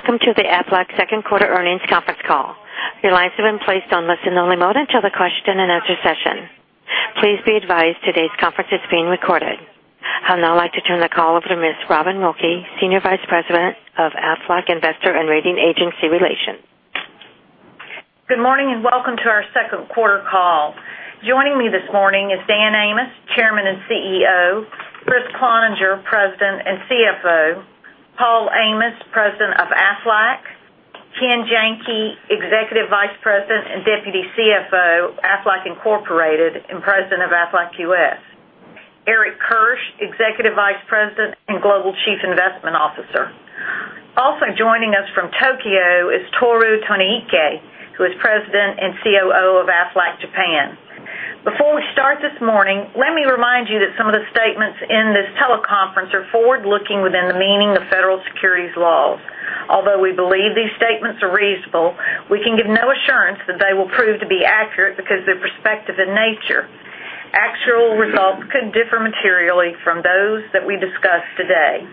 Welcome to the Aflac second quarter earnings conference call. Your lines have been placed on listen-only mode until the question and answer session. Please be advised today's conference is being recorded. I'll now like to turn the call over to Ms. Robin Wilkey, Senior Vice President of Aflac Investor and Rating Agency Relations. Good morning, welcome to our second quarter call. Joining me this morning is Dan Amos, Chairman and CEO, Kriss Cloninger, President and CFO, Paul Amos, President of Aflac, Ken Janke, Executive Vice President and Deputy CFO, Aflac Incorporated, and President of Aflac U.S., Eric Kirsch, Executive Vice President and Global Chief Investment Officer. Also joining us from Tokyo is Tohru Tonoike, who is President and COO of Aflac Japan. Before we start this morning, let me remind you that some of the statements in this teleconference are forward-looking within the meaning of Federal Securities laws. We believe these statements are reasonable, we can give no assurance that they will prove to be accurate because they're prospective in nature. Actual results could differ materially from those that we discuss today.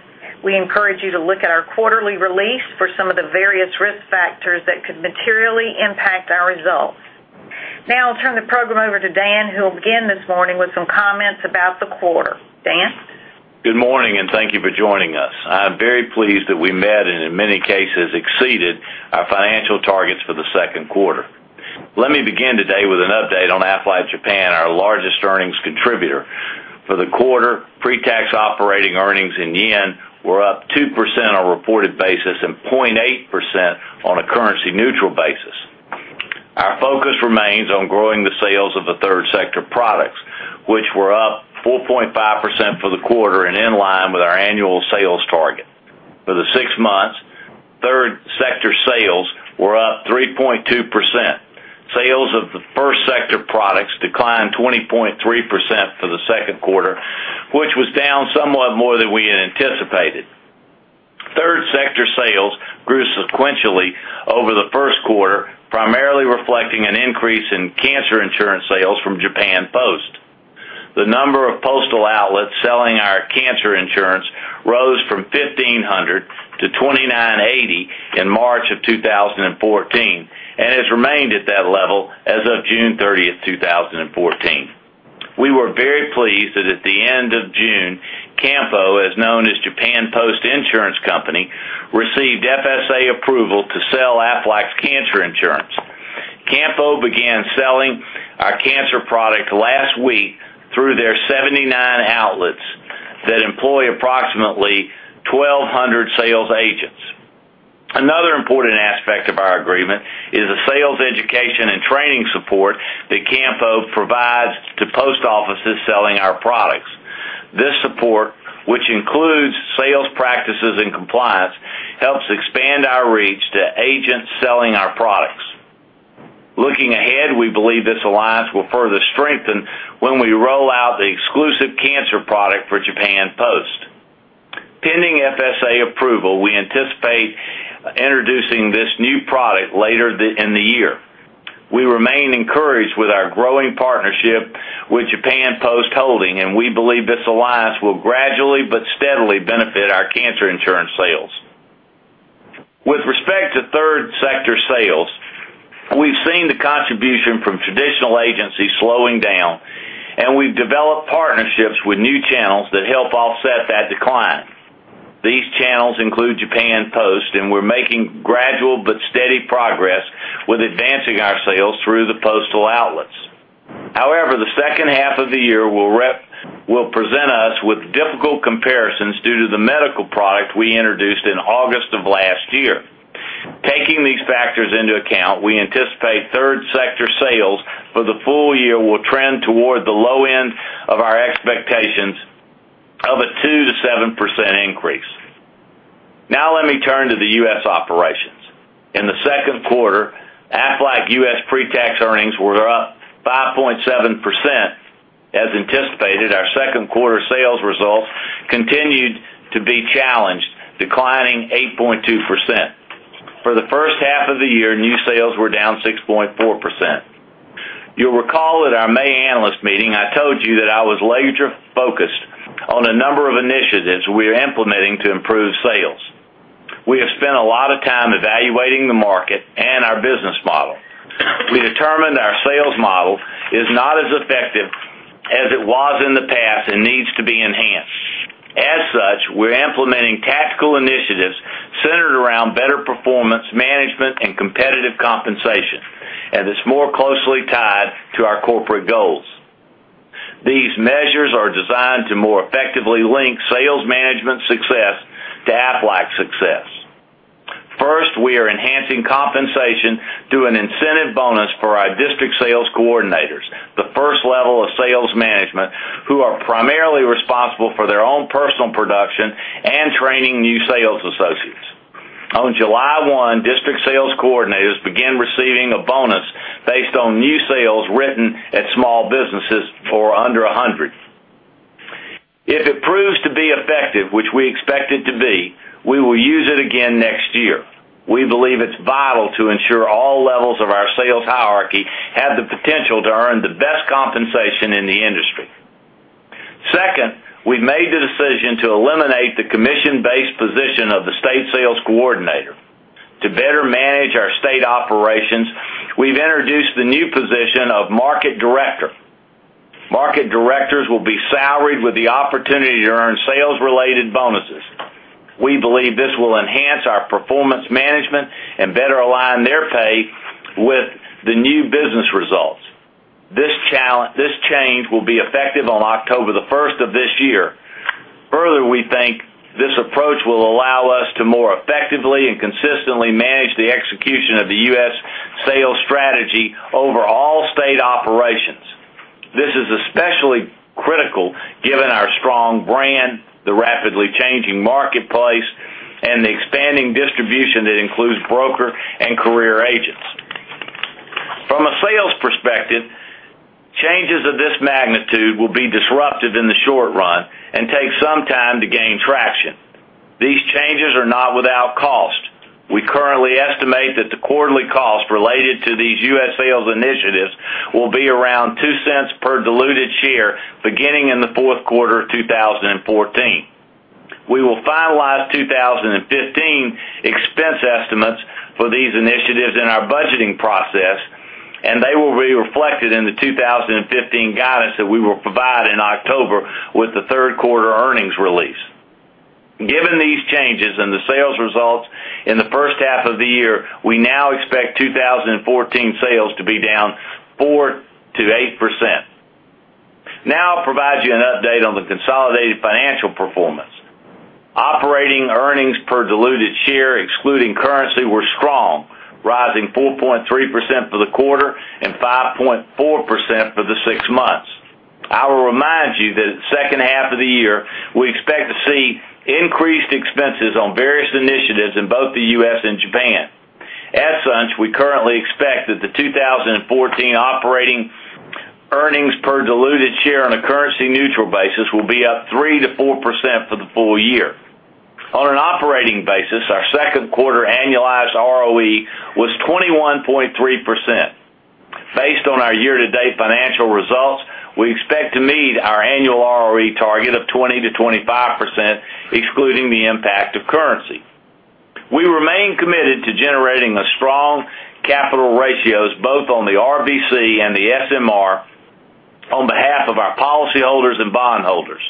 We encourage you to look at our quarterly release for some of the various risk factors that could materially impact our results. I'll turn the program over to Dan, who will begin this morning with some comments about the quarter. Dan? Good morning, and thank you for joining us. I am very pleased that we met, and in many cases exceeded, our financial targets for the second quarter. Let me begin today with an update on Aflac Japan, our largest earnings contributor. For the quarter, pre-tax operating earnings in JPY were up 2% on a reported basis and 0.8% on a currency neutral basis. Our focus remains on growing the sales of the third sector products, which were up 4.5% for the quarter and in line with our annual sales target. For the six months, third sector sales were up 3.2%. Sales of the first sector products declined 20.3% for the second quarter, which was down somewhat more than we had anticipated. Third sector sales grew sequentially over the first quarter, primarily reflecting an increase in cancer insurance sales from Japan Post. The number of postal outlets selling our cancer insurance rose from 1,500 to 2,980 in March of 2014 and has remained at that level as of June 30th, 2014. We were very pleased that at the end of June, Kampo, also known as Japan Post Insurance Co., Ltd., received FSA approval to sell Aflac's cancer insurance. Kampo began selling our cancer product last week through their 79 outlets that employ approximately 1,200 sales agents. Another important aspect of our agreement is the sales education and training support that Kampo provides to post offices selling our products. This support, which includes sales practices and compliance, helps expand our reach to agents selling our products. Looking ahead, we believe this alliance will further strengthen when we roll out the exclusive cancer product for Japan Post. Pending FSA approval, we anticipate introducing this new product later in the year. We remain encouraged with our growing partnership with Japan Post Holdings. We believe this alliance will gradually but steadily benefit our cancer insurance sales. With respect to third sector sales, we've seen the contribution from traditional agencies slowing down. We've developed partnerships with new channels that help offset that decline. These channels include Japan Post, and we're making gradual but steady progress with advancing our sales through the postal outlets. The second half of the year will present us with difficult comparisons due to the medical product we introduced in August of last year. Taking these factors into account, we anticipate third sector sales for the full year will trend toward the low end of our expectations of a 2%-7% increase. Now let me turn to the U.S. operations. In the second quarter, Aflac U.S. pre-tax earnings were up 5.7%. As anticipated, our second quarter sales results continued to be challenged, declining 8.2%. For the first half of the year, new sales were down 6.4%. You'll recall at our May analyst meeting, I told you that I was laser focused on a number of initiatives we are implementing to improve sales. We have spent a lot of time evaluating the market and our business model. We determined our sales model is not as effective as it was in the past and needs to be enhanced. As such, we're implementing tactical initiatives centered around better performance management and competitive compensation. It's more closely tied to our corporate goals. These measures are designed to more effectively link sales management success to Aflac's success. First, we are enhancing compensation through an incentive bonus for our District Sales Coordinators, the first level of sales management, who are primarily responsible for their own personal production and training new sales associates. On July 1, District Sales Coordinators began receiving a bonus based on new sales written at small businesses for under 100. If it proves to be effective, which we expect it to be, we will use it again next year. We believe its hierarchy have the potential to earn the best compensation in the industry. Second, we've made the decision to eliminate the commission-based position of the state sales coordinator. To better manage our state operations, we've introduced the new position of market director. Market directors will be salaried with the opportunity to earn sales-related bonuses. We believe this will enhance our performance management and better align their pay with the new business results. This change will be effective on October the 1st of this year. Further, we think this approach will allow us to more effectively and consistently manage the execution of the U.S. sales strategy over all state operations. This is especially critical given our strong brand, the rapidly changing marketplace, and the expanding distribution that includes broker and career agents. From a sales perspective, changes of this magnitude will be disruptive in the short run and take some time to gain traction. These changes are not without cost. We currently estimate that the quarterly cost related to these U.S. sales initiatives will be around $0.02 per diluted share beginning in the fourth quarter of 2014. We will finalize 2015 expense estimates for these initiatives in our budgeting process, and they will be reflected in the 2015 guidance that we will provide in October with the third quarter earnings release. Given these changes in the sales results in the first half of the year, we now expect 2014 sales to be down 4%-8%. Now I'll provide you an update on the consolidated financial performance. Operating earnings per diluted share excluding currency were strong, rising 4.3% for the quarter and 5.4% for the six months. I will remind you that the second half of the year, we expect to see increased expenses on various initiatives in both the U.S. and Japan. As such, we currently expect that the 2014 operating earnings per diluted share on a currency-neutral basis will be up 3%-4% for the full year. On an operating basis, our second quarter annualized ROE was 21.3%. Based on our year-to-date financial results, we expect to meet our annual ROE target of 20%-25%, excluding the impact of currency. We remain committed to generating strong capital ratios, both on the RBC and the SMR, on behalf of our policyholders and bondholders.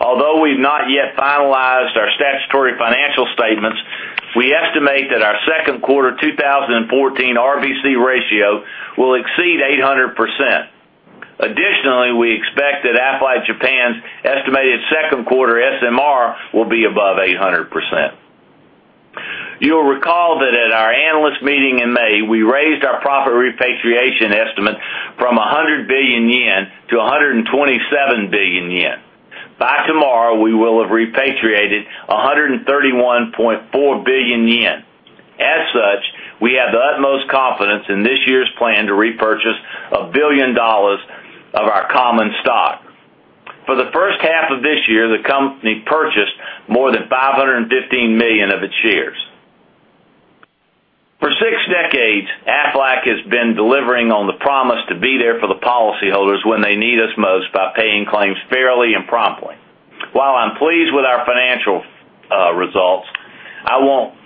Although we've not yet finalized our statutory financial statements, we estimate that our second quarter 2014 RBC ratio will exceed 800%. Additionally, we expect that Aflac Japan's estimated second quarter SMR will be above 800%. You'll recall that at our analyst meeting in May, we raised our profit repatriation estimate from 100 billion-127 billion yen. By tomorrow, we will have repatriated 131.4 billion yen. As such, we have the utmost confidence in this year's plan to repurchase $1 billion of our common stock. For the first half of this year, the company purchased more than $515 million of its shares. For six decades, Aflac has been delivering on the promise to be there for the policyholders when they need us most by paying claims fairly and promptly. While I'm pleased with our financial results, I won't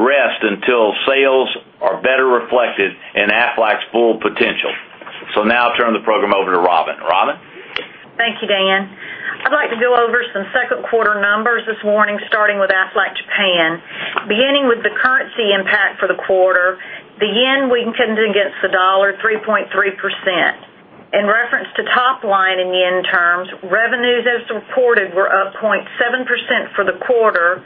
rest until sales are better reflected in Aflac's full potential. Now I'll turn the program over to Robin. Robin? Thank you, Dan. I'd like to go over some second quarter numbers this morning, starting with Aflac Japan. Beginning with the currency impact for the quarter, the JPY weakened against the $ 3.3%. In reference to top line in JPY terms, revenues as reported were up 0.7% for the quarter.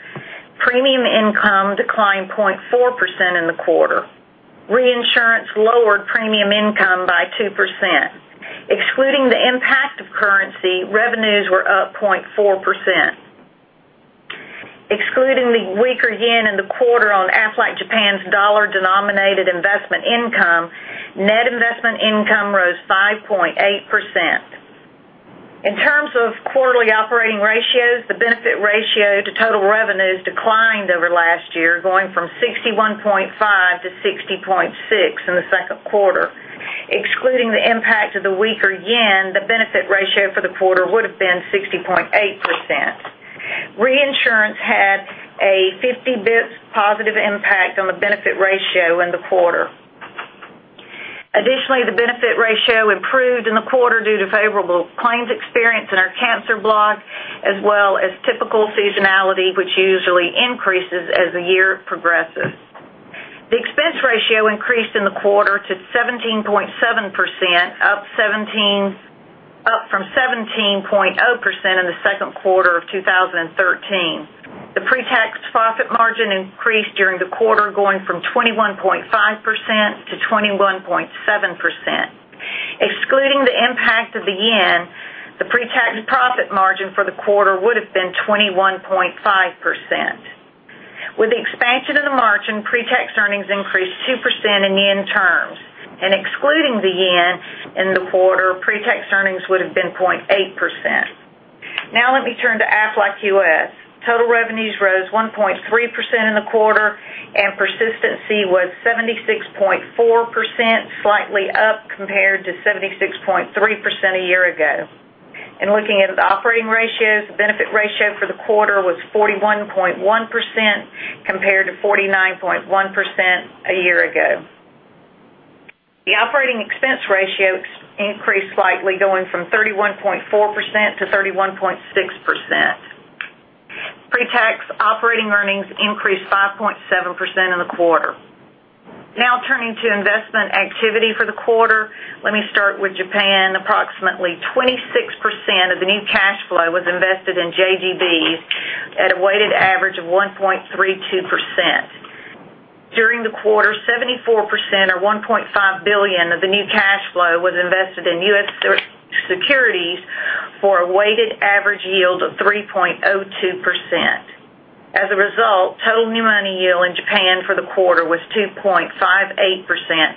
Premium income declined 0.4% in the quarter. Reinsurance lowered premium income by 2%. Excluding the impact of currency, revenues were up 0.4%. Excluding the weaker JPY in the quarter on Aflac Japan's $-denominated investment income, net investment income rose 5.8%. In terms of quarterly operating ratios, the benefit ratio to total revenues declined over last year, going from 61.5%-60.6% in the second quarter. Excluding the impact of the weaker JPY, the benefit ratio for the quarter would've been 60.8%. Reinsurance had a 50 basis points positive impact on the benefit ratio in the quarter. Additionally, the benefit ratio improved in the quarter due to favorable claims experience in our cancer block, as well as typical seasonality, which usually increases as the year progresses. The expense ratio increased in the quarter to 17.7%, up from 17.0% in the second quarter of 2013. The pre-tax profit margin increased during the quarter, going from 21.5%-21.7%. Excluding the impact of the JPY, the pre-tax profit margin for the quarter would've been 21.5%. With the expansion of the margin, pre-tax earnings increased 2% in JPY terms, and excluding the JPY in the quarter, pre-tax earnings would've been 0.8%. Let me turn to Aflac U.S. Total revenues rose 1.3% in the quarter, and persistency was 76.4%, slightly up compared to 76.3% a year ago. Looking at the operating ratios, the benefit ratio for the quarter was 41.1%, compared to 49.1% a year ago. The operating expense ratio increased slightly, going from 31.4%-31.6%. Pre-tax operating earnings increased 5.7% in the quarter. Turning to investment activity for the quarter. Let me start with Japan. Approximately 26% of the new cash flow was invested in JGBs at a weighted average of 1.32%. During the quarter, 74%, or $1.5 billion of the new cash flow was invested in U.S. securities for a weighted average yield of 3.02%. As a result, total new money yield in Japan for the quarter was 2.58%,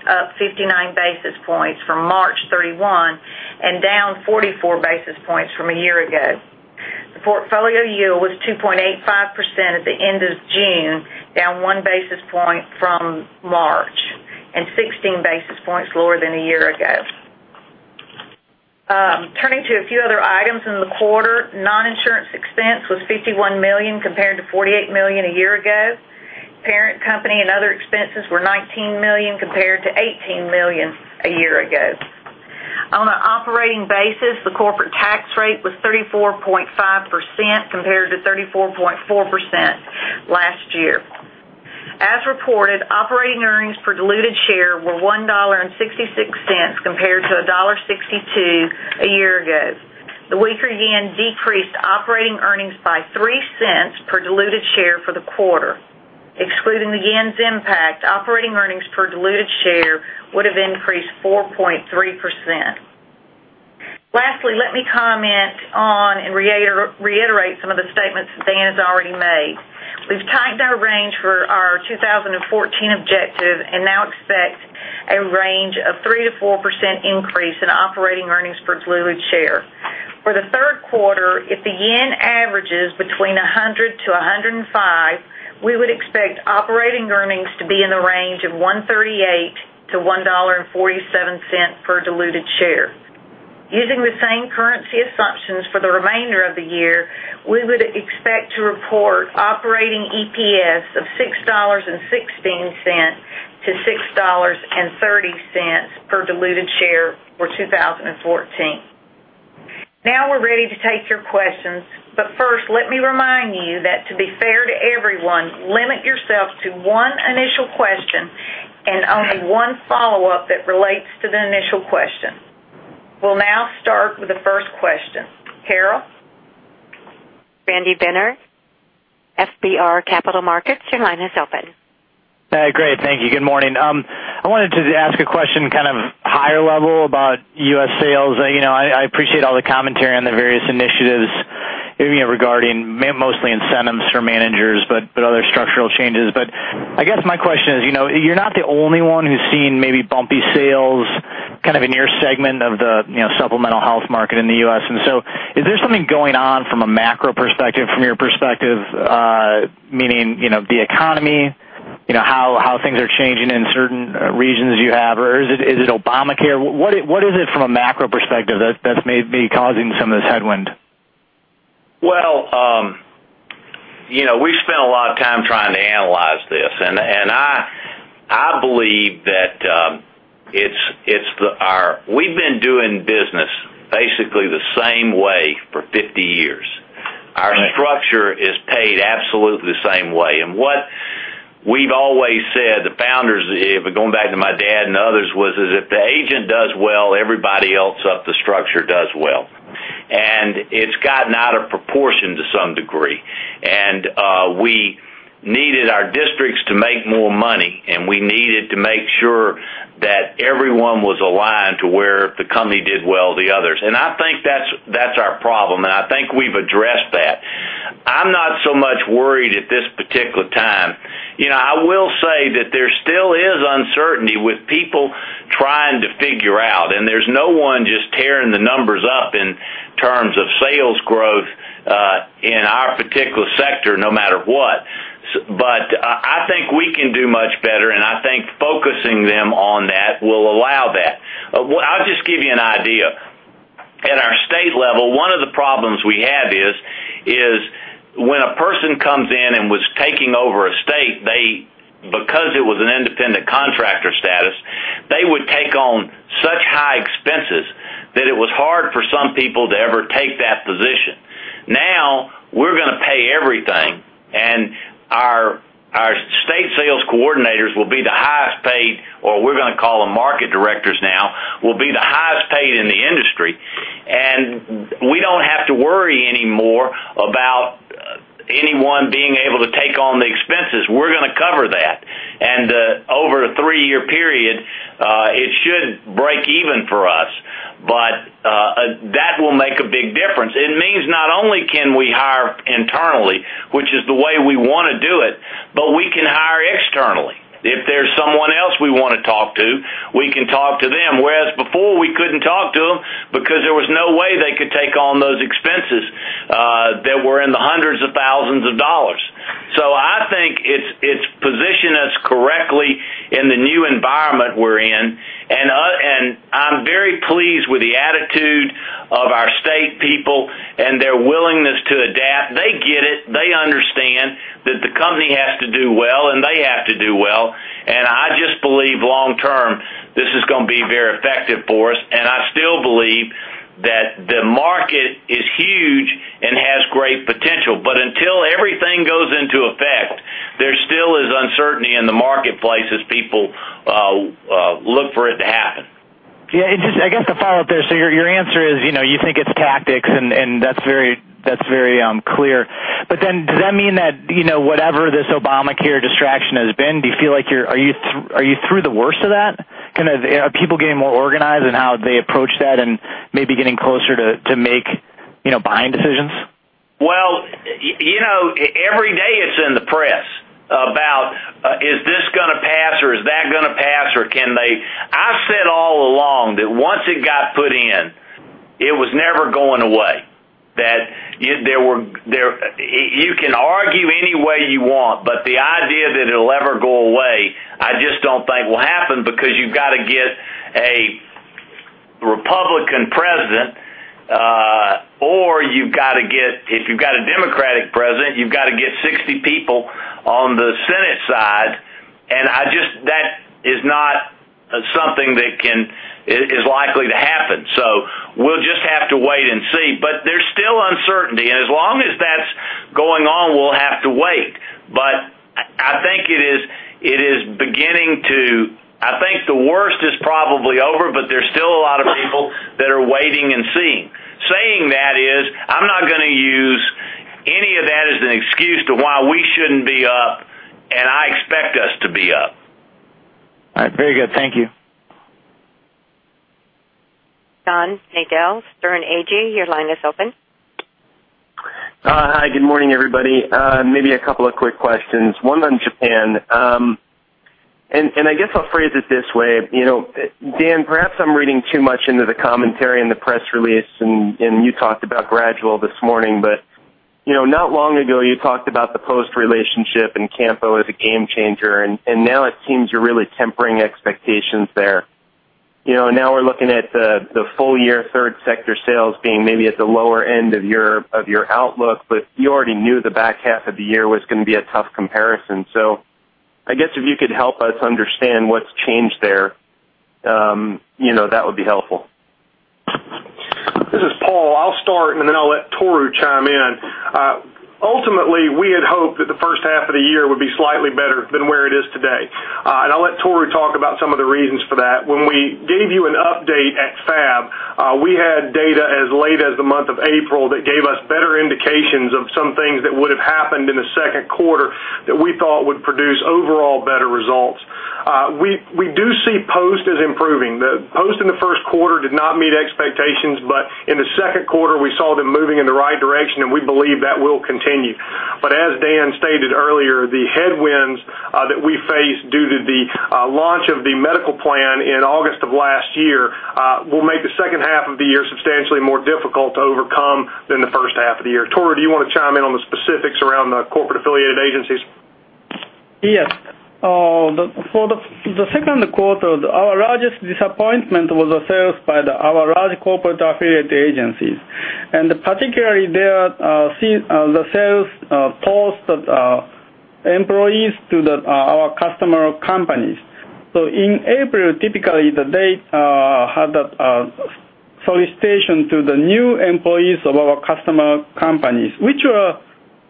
up 59 basis points from March 31 and down 44 basis points from a year ago. The portfolio yield was 2.85% at the end of June, down one basis point from March and 16 basis points lower than a year ago. Turning to a few other items in the quarter, non-insurance expense was $51 million, compared to $48 million a year ago. Parent company and other expenses were $19 million, compared to $18 million a year ago. On an operating basis, the corporate tax rate was 34.5%, compared to 34.4% last year. As reported, operating earnings per diluted share were $1.66, compared to $1.62 a year ago. The weaker JPY decreased operating earnings by $0.03 per diluted share for the quarter. Excluding the JPY's impact, operating earnings per diluted share would have increased 4.3%. Lastly, let me comment on and reiterate some of the statements Dan has already made. We've tightened our range for our 2014 objective and now expect a range of 3%-4% increase in operating earnings per diluted share. For the third quarter, if the JPY averages between 100-105, we would expect operating earnings to be in the range of $1.38-$1.47 per diluted share. Using the same currency assumptions for the remainder of the year, we would expect to report operating EPS of $6.16 to $6.30 per diluted share for 2014. We're ready to take your questions. First, let me remind you that to be fair to everyone, limit yourself to one initial question and only one follow-up that relates to the initial question. We'll now start with the first question. Carol? Randy Binner, FBR Capital Markets, your line is open. Great. Thank you. Good morning. I wanted to ask a question kind of higher level about U.S. sales. I appreciate all the commentary on the various initiatives regarding mostly incentives for managers, but other structural changes. I guess my question is, you're not the only one who's seen maybe bumpy sales, kind of in your segment of the supplemental health market in the U.S. Is there something going on from a macro perspective, from your perspective, meaning the economy, how things are changing in certain regions you have, or is it Obamacare? What is it from a macro perspective that's maybe causing some of this headwind? Well, we've spent a lot of time trying to analyze this. I believe that we've been doing business basically the same way for 50 years. Right. Our structure is paid absolutely the same way, what we've always said, the founders, going back to my dad and others, was that if the agent does well, everybody else up the structure does well. It's gotten out of proportion to some degree. We needed our districts to make more money, and we needed to make sure that everyone was aligned to where if the company did well, the others. I think that's our problem, and I think we've addressed that. I'm not so much worried at this particular time. I will say that there still is uncertainty with people trying to figure out, and there's no one just tearing the numbers up in terms of sales growth, in our particular sector, no matter what. I think we can do much better, and I think focusing them on that will allow that. I'll just give you an idea. At our state level, one of the problems we have is when a person comes in and was taking over a state, because it was an independent contractor status, they would take on such high expenses that it was hard for some people to ever take that position. Now we're going to pay everything, and our state sales coordinators will be the highest paid, or we're going to call them market directors now, will be the highest paid in the industry. We don't have to worry anymore about anyone being able to take on the expenses. We're going to cover that. Over a three-year period, it should break even for us. That will make a big difference. It means not only can we hire internally. Before we couldn't talk to them because there was no way they could take on those expenses that were in the hundreds of thousands of dollars. I think it's positioned us correctly in the new environment we're in, and I'm very pleased with the attitude of our state people and their willingness to adapt. They get it. They understand that the company has to do well, and they have to do well. I just believe long term, this is going to be very effective for us, and I still believe that the market is huge and has great potential. Until everything goes into effect, there still is uncertainty in the marketplace as people look for it to happen. Yeah. Just, I guess to follow up there, your answer is, you think it's tactics, and that's very clear. Does that mean that, whatever this Obamacare distraction has been, are you through the worst of that? Are people getting more organized in how they approach that and maybe getting closer to make buying decisions? Well, every day it's in the press about, is this going to pass or is that going to pass? I said all along that once it got put in, it was never going away. You can argue any way you want, but the idea that it'll ever go away, I just don't think will happen because you've got to get a Republican president, or if you've got a Democratic president, you've got to get 60 people on the Senate side. That is not something that is likely to happen. We'll just have to wait and see. There's still uncertainty. As long as that's going on, we'll have to wait. I think the worst is probably over, but there's still a lot of people that are waiting and seeing. Saying that is, I'm not going to use any of that as an excuse to why we shouldn't be up. I expect us to be up. All right. Very good. Thank you. John Nadel, Sterne Agee, your line is open. Hi. Good morning, everybody. Maybe a couple of quick questions, one on Japan. I guess I'll phrase it this way. Dan, perhaps I'm reading too much into the commentary in the press release, you talked about gradual this morning, not long ago, you talked about the Post relationship and Kampo as a game changer, now it seems you're really tempering expectations there. We're looking at the full year third sector sales being maybe at the lower end of your outlook, you already knew the back half of the year was going to be a tough comparison. I guess if you could help us understand what's changed there, that would be helpful. This is Paul. I'll start, then I'll let Tohru chime in. Ultimately, we had hoped that the first half of the year would be slightly better than where it is today. I'll let Tohru talk about some of the reasons for that. When we gave you an update at FAB, we had data as late as the month of April that gave us better indications of some things that would have happened in the second quarter that we thought would produce overall better results. We do see Post as improving. Post in the first quarter did not meet expectations, in the second quarter, we saw them moving in the right direction, we believe that will continue. As Dan stated earlier, the headwinds that we face due to the launch of the medical plan in August of last year will make the second half of the year substantially more difficult to overcome than the first half of the year. Tohru, do you want to chime in on the specifics around the corporate-affiliated agencies? Yes. For the second quarter, our largest disappointment was the sales by our large corporate affiliate agencies. Particularly there, the sales Post employees to our customer companies. In April, typically, they had a solicitation to the new employees of our customer companies, which were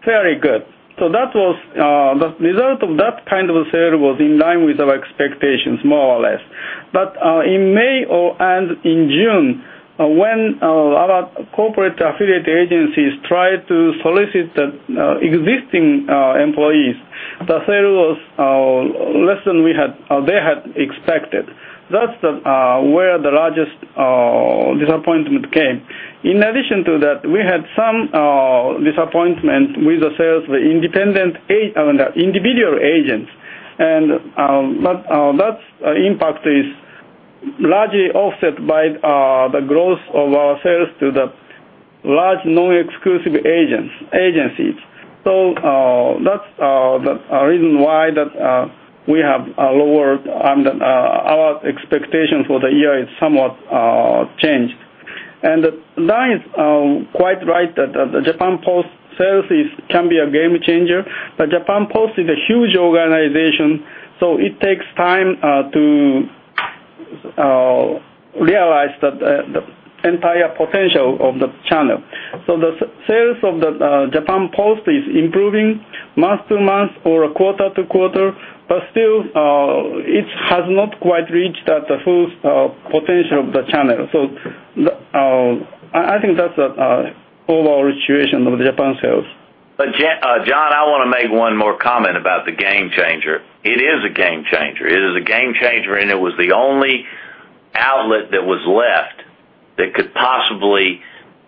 very good. The result of that kind of sale was in line with our expectations, more or less. In May and in June, when our corporate affiliate agencies tried to solicit the existing employees, the sale was less than they had expected. That's where the largest disappointment came. In addition to that, we had some disappointment with the sales, the individual agents. That impact is largely offset by the growth of our sales to the large non-exclusive agencies. That's the reason why our expectation for the year is somewhat changed. Dan is quite right that the Japan Post sales can be a game changer, Japan Post is a huge organization, it takes time to realize the entire potential of the channel. The sales of the Japan Post is improving month-to-month or quarter-to-quarter, still, it has not quite reached the full potential of the channel. I think that's the overall situation of the Japan sales. John, I want to make one more comment about the game changer. It is a game changer. It is a game changer, it was the only outlet that was left that could possibly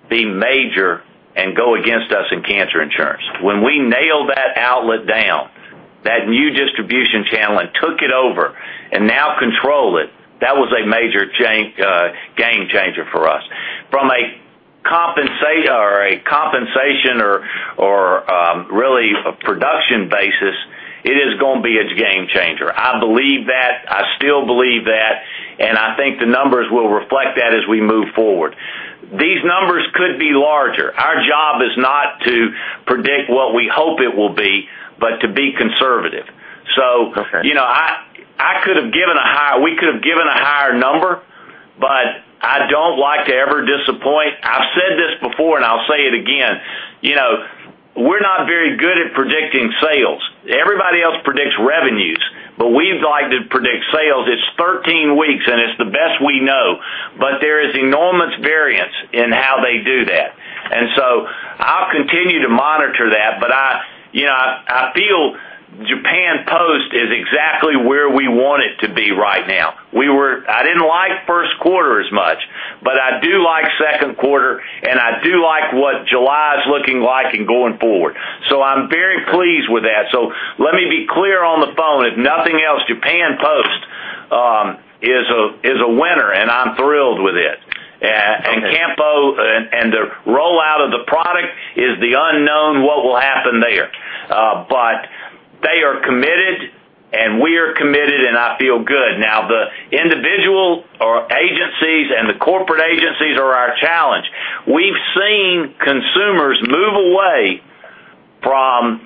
be major and go against us in cancer insurance. When we nailed that outlet down, that new distribution channel, took it over and now control it, that was a major game changer for us. From a compensation or really a production basis, it is going to be a game changer. I believe that. I still believe that, I think the numbers will reflect that as we move forward. These numbers could be larger. Our job is not to predict what we hope it will be, but to be conservative. Okay. We could've given a higher number, I don't like to ever disappoint. I've said this before, I'll say it again. We're not very good at predicting sales. Everybody else predicts revenues, we like to predict sales. It's 13 weeks, it's the best we know. There is enormous variance in how they do that. I'll continue to monitor that, I feel Japan Post is exactly where we want it to be right now. I didn't like first quarter as much, I do like second quarter, I do like what July is looking like and going forward. I'm very pleased with that. Let me be clear on the phone. If nothing else, Japan Post is a winner, I'm thrilled with it. Okay. The rollout of the product is the unknown what will happen there. They are committed, we are committed, I feel good. The individual or agencies and the corporate agencies are our challenge. We've seen consumers move away from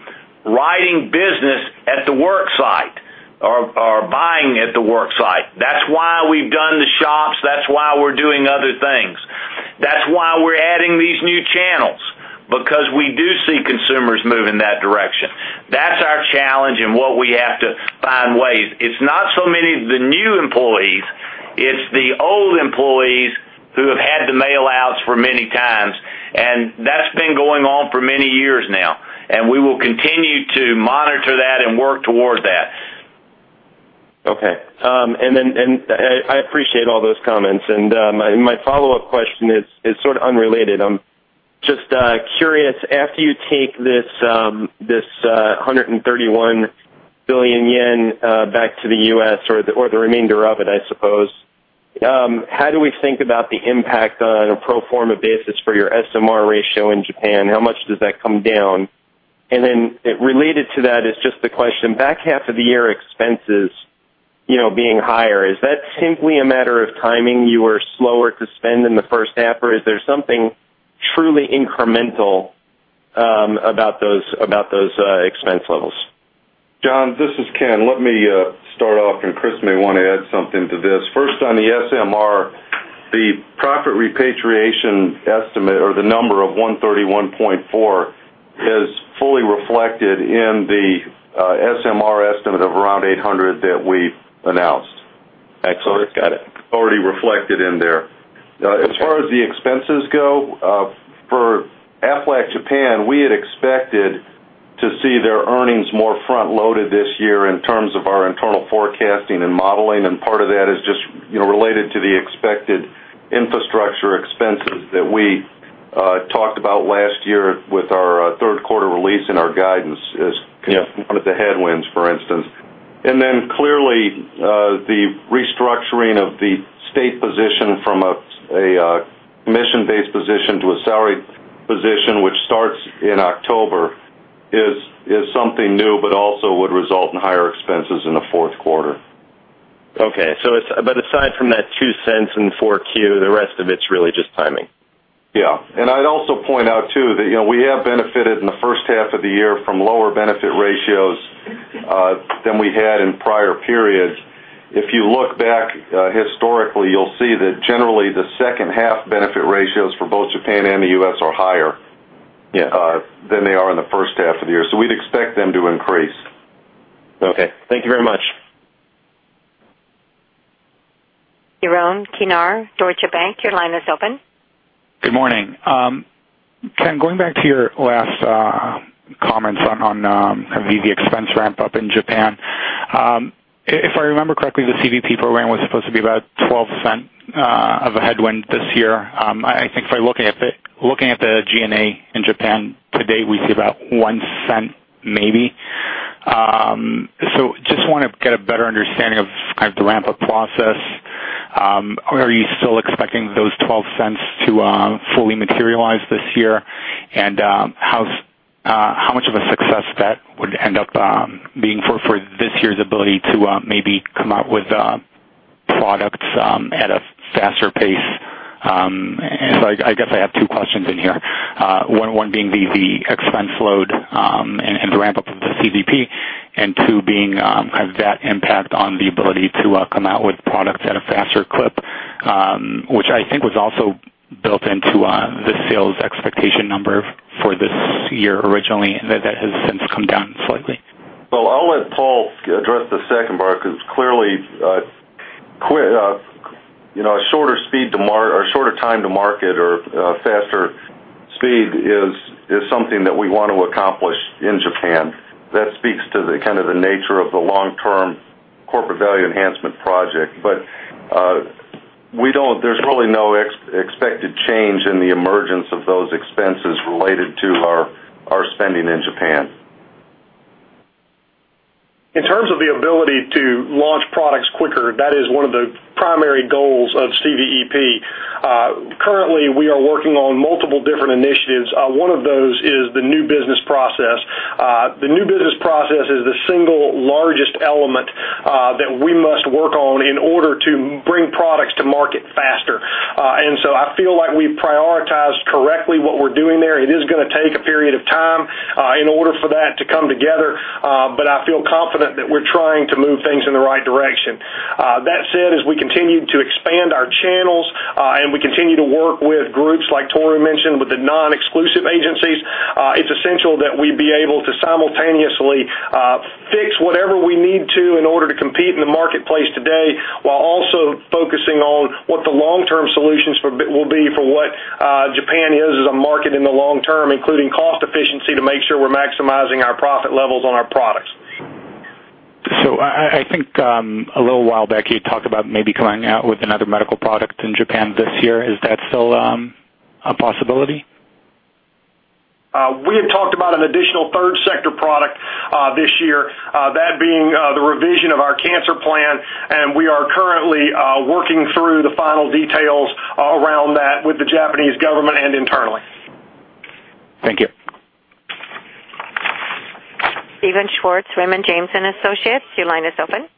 writing business at the work site or buying at the work site. That's why we've done the shops. That's why we're doing other things. That's why we're adding these new channels because we do see consumers move in that direction. That's our challenge what we have to find ways. It's not so many of the new employees, it's the old employees who have had the mail outs for many times, that's been going on for many years now, we will continue to monitor that and work toward that. Okay. I appreciate all those comments. My follow-up question is sort of unrelated. I am just curious, after you take this 131 billion yen back to the U.S. or the remainder of it, I suppose, how do we think about the impact on a pro forma basis for your SMR ratio in Japan? How much does that come down? Related to that is just the question, back half of the year expenses being higher, is that simply a matter of timing, you were slower to spend in the first half, or is there something truly incremental about those expense levels? John, this is Ken. Let me start off. Kriss may want to add something to this. First, on the SMR, the profit repatriation estimate or the number of 131.4 is fully reflected in the SMR estimate of around 800 that we've announced. Excellent. Got it. Already reflected in there. As far as the expenses go, for Aflac Japan, we had expected to see their earnings more front-loaded this year in terms of our internal forecasting and modeling. Part of that is just related to the expected infrastructure expenses that we talked about last year with our third quarter release and our guidance as kind of one of the headwinds, for instance. Clearly, the restructuring of the state position from a commission-based position to a salary position, which starts in October, is something new, but also would result in higher expenses in the fourth quarter. Okay. Aside from that $0.02 in 4Q, the rest of it's really just timing. Yeah. I'd also point out, too, that we have benefited in the first half of the year from lower benefit ratios than we had in prior periods. If you look back historically, you'll see that generally the second half benefit ratios for both Japan and the U.S. are higher- Yeah than they are in the first half of the year. We'd expect them to increase. Okay. Thank you very much. Yaron Tsinman, Deutsche Bank, your line is open. Good morning. Ken, going back to your last comments on kind of the expense ramp-up in Japan. If I remember correctly, the CVP program was supposed to be about $0.12 of a headwind this year. I think if we're looking at the G&A in Japan to date, we see about $0.01 maybe. Just want to get a better understanding of kind of the ramp-up process. Are you still expecting those $0.12 to fully materialize this year? And how much of a success that would end up being for this year's ability to maybe come out with products at a faster pace? I guess I have two questions in here. One being the expense load and the ramp-up of the CVP, and two being kind of that impact on the ability to come out with products at a faster clip, which I think was also built into the sales expectation number for this year originally, that has since come down slightly. Well, I'll let Paul address the second part because clearly a shorter time to market or a faster speed is something that we want to accomplish in Japan, kind of the nature of the long-term Corporate Value Enhancement Project. There's really no expected change in the emergence of those expenses related to our spending in Japan. In terms of the ability to launch products quicker, that is one of the primary goals of CVEP. Currently, we are working on multiple different initiatives. One of those is the new business process. The new business process is the single largest element that we must work on in order to bring products to market faster. I feel like we've prioritized correctly what we're doing there. It is going to take a period of time in order for that to come together. I feel confident that we're trying to move things in the right direction. That said, as we continue to expand our channels, and we continue to work with groups like Tohru mentioned, with the non-exclusive agencies, it's essential that we be able to simultaneously fix whatever we need to in order to compete in the marketplace today, while also focusing on what the long-term solutions will be for what Japan is as a market in the long term, including cost efficiency to make sure we're maximizing our profit levels on our products. I think, a little while back, you talked about maybe coming out with another medical product in Japan this year. Is that still a possibility? We had talked about an additional third sector product this year, that being the revision of our cancer plan, and we are currently working through the final details around that with the Japanese government and internally. Thank you. Steven Schwartz, Raymond James & Associates. Your line is open.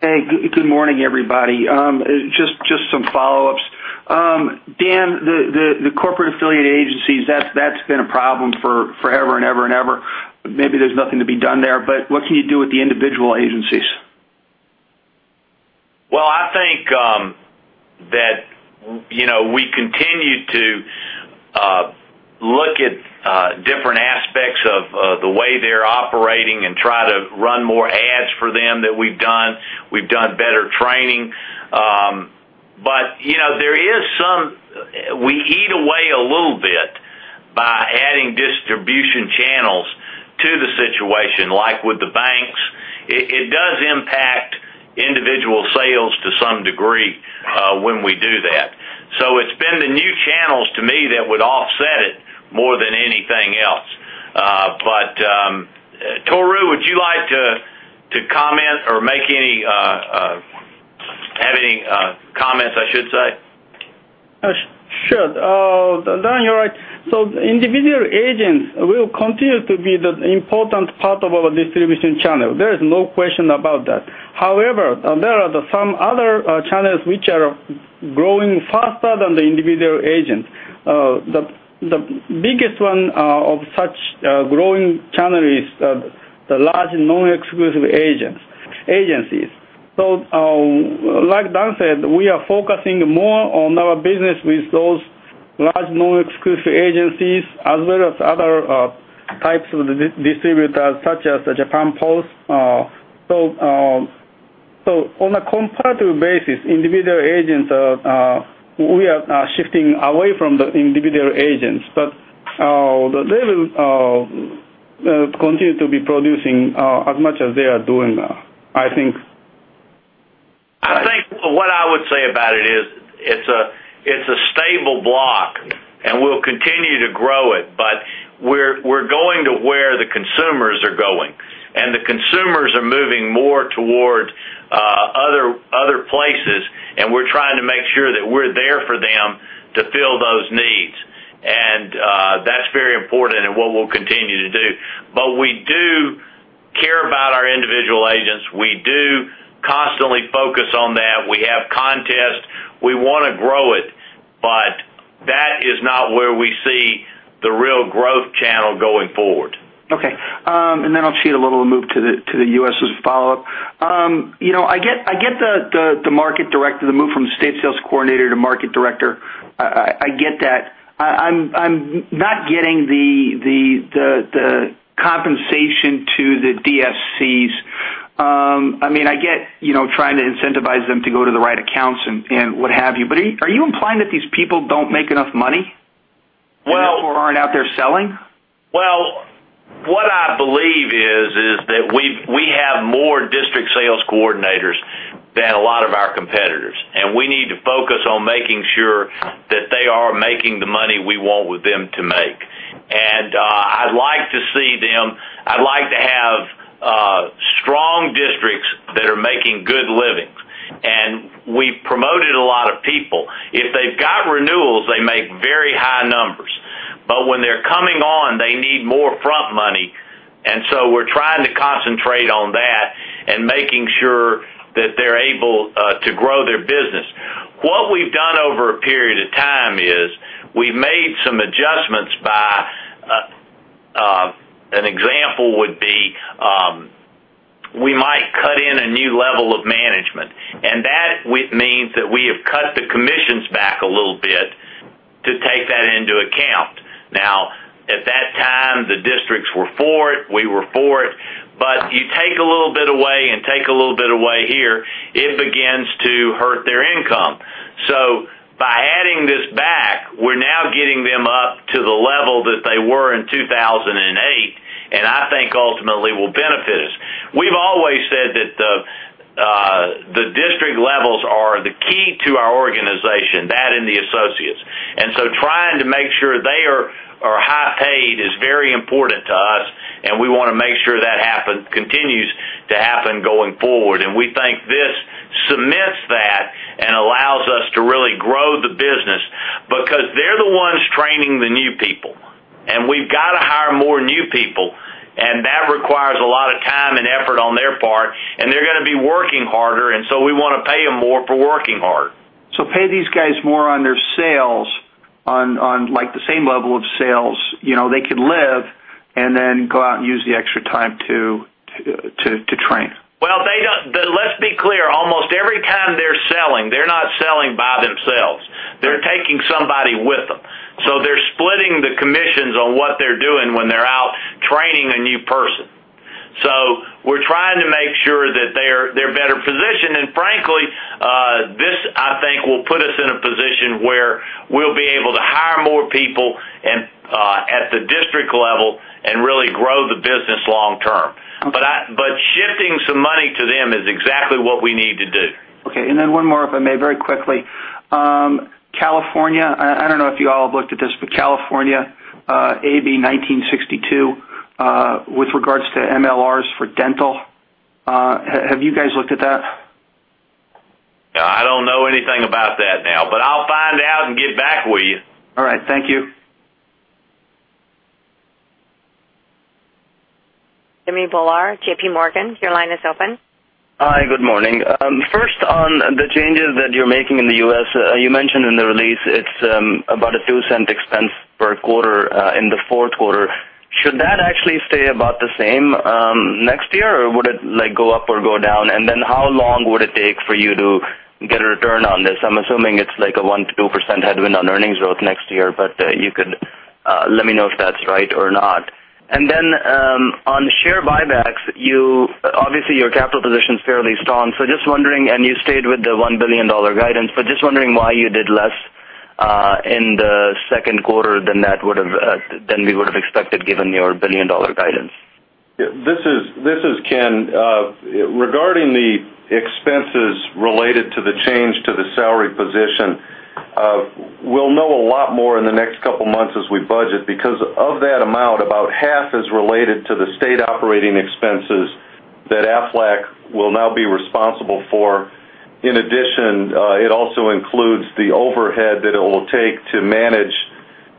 Hey, good morning, everybody. Just some follow-ups. Dan, the corporate affiliate agencies, that's been a problem for forever and ever and ever. Maybe there's nothing to be done there, what can you do with the individual agencies? Well, I think that we continue to look at different aspects of the way they're operating and try to run more ads for them than we've done. We've done better training. We eat away a little bit by adding distribution channels to the situation, like with the banks. It does impact individual sales to some degree when we do that. It's been the new channels to me that would offset it more than anything else. Tohru, would you like to comment or have any comments, I should say? Sure. Dan, you're right. Individual agents will continue to be the important part of our distribution channel. There is no question about that. However, there are some other channels which are growing faster than the individual agent. The biggest one of such growing channel is the large non-exclusive agencies. Like Dan said, we are focusing more on our business with those large non-exclusive agencies, as well as other types of distributors, such as the Japan Post. On a comparative basis, we are shifting away from the individual agents. They will continue to be producing as much as they are doing now, I think. I think what I would say about it is, it's a stable block, and we'll continue to grow it, but we're going to where the consumers are going, and the consumers are moving more towards other places, and we're trying to make sure that we're there for them to fill those needs. That's very important and what we'll continue to do. We do care about our individual agents. We do constantly focus on that. We have contests. We want to grow it, but that is not where we see the real growth channel going forward. Okay. Then I'll sheet a little move to the U.S. as a follow-up. I get the move from state sales coordinator to market director. I get that. I'm not getting the compensation to the DSCs. I get trying to incentivize them to go to the right accounts and what have you. Are you implying that these people don't make enough money? Well- Therefore aren't out there selling? What I believe is that we have more District Sales Coordinators than a lot of our competitors, we need to focus on making sure that they are making the money we want with them to make. I'd like to have strong districts that are making good livings. We've promoted a lot of people. If they've got renewals, they make very high numbers. When they're coming on, they need more front money. We're trying to concentrate on that and making sure that they're able to grow their business. What we've done over a period of time is we've made some adjustments by, an example would be, we might cut in a new level of management. That means that we have cut the commissions back a little bit to take that into account. At that time, the districts were for it. We were for it. You take a little that they were in 2008, and I think ultimately will benefit us. We've always said that the district levels are the key to our organization, that and the associates. Trying to make sure they are high paid is very important to us, and we want to make sure that continues to happen going forward. We think this cements that and allows us to really grow the business because they're the ones training the new people, and we've got to hire more new people, and that requires a lot of time and effort on their part, and they're going to be working harder, so we want to pay them more for working hard. Pay these guys more on their sales, on the same level of sales. They could live and then go out and use the extra time to train. Let's be clear. Almost every time they're selling, they're not selling by themselves. They're taking somebody with them. They're splitting the commissions on what they're doing when they're out training a new person. We're trying to make sure that they're better positioned. Frankly, this, I think, will put us in a position where we'll be able to hire more people and at the District level and really grow the business long term. Okay. Shifting some money to them is exactly what we need to do. Okay, one more, if I may, very quickly. California, I don't know if you all have looked at this, but California AB 1962 with regards to MLRs for dental, have you guys looked at that? I don't know anything about that now, but I'll find out and get back with you. All right. Thank you. Jimmy Bhullar, J.P. Morgan, your line is open. Hi, good morning. On the changes that you're making in the U.S., you mentioned in the release it's about a $0.02 expense per quarter in the fourth quarter. Should that actually stay about the same next year, or would it go up or go down? How long would it take for you to get a return on this? I'm assuming it's like a 1%-2% headwind on earnings growth next year, but you could let me know if that's right or not. On share buybacks, obviously, your capital position's fairly strong. Just wondering, and you stayed with the $1 billion guidance, but just wondering why you did less in the second quarter than we would have expected given your billion-dollar guidance. This is Ken. Regarding the expenses related to the change to the salary position, we'll know a lot more in the next couple of months as we budget because of that amount, about half is related to the state operating expenses that Aflac will now be responsible for. In addition, it also includes the overhead that it will take to manage,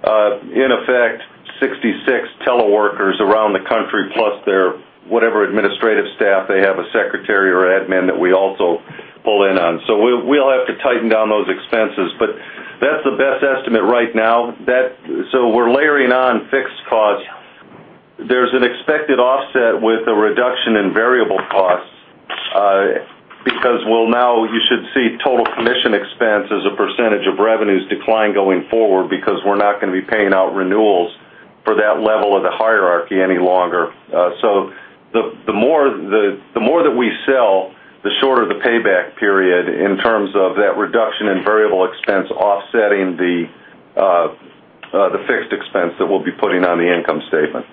in effect, 66 teleworkers around the country, plus their whatever administrative staff they have, a secretary or admin that we also pull in on. We'll have to tighten down those expenses, but that's the best estimate right now. We're layering on fixed costs. There's an expected offset with a reduction in variable costs because you should see total commission expense as a percentage of revenues decline going forward because we're not going to be paying out renewals for that level of the hierarchy any longer. The more that we sell, the shorter the payback period in terms of that reduction in variable expense offsetting the fixed expense that we'll be putting on the income statement.